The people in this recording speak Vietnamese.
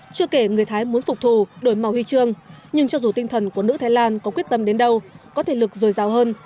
chưa kể người thái muốn phục thù đổi màu huy chương nhưng cho dù tinh thần của nữ thái lan có quyết tâm đến đâu có thể lực dồi dào hơn